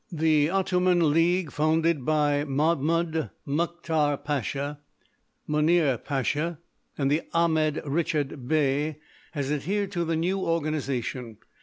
The Ottoman League, founded by Mahmud Muktar Pasha, Munir Pasha, and Ahmed Rechid Bey, has adhered to the new organisation.